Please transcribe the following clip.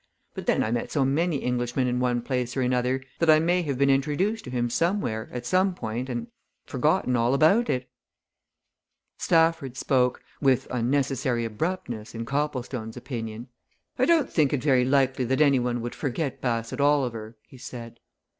But then I met so many Englishmen in one place or another that I may have been introduced to him somewhere, at some time, and forgotten all about it." Stafford spoke with unnecessary abruptness, in Copplestone's opinion. "I don't think it very likely that any one would forget Bassett Oliver," he said.